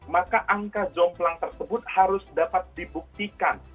maka angka jomplang tersebut harus dapat dibuktikan